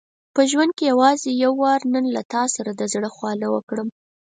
په ژوند کې یوازې یو وار نن له تا سره د زړه خواله وکړم.